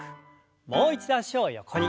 もう一度脚を横に。